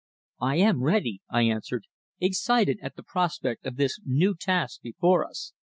"I am ready," I answered, excited at the prospect of this new task before us.